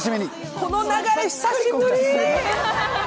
この流れ、久しぶり！